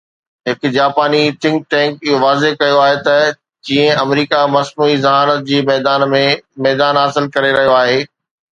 هڪ جاپاني think tank اهو واضح ڪيو آهي ته جيئن آمريڪا مصنوعي ذهانت جي ميدان ۾ ميدان حاصل ڪري رهيو آهي،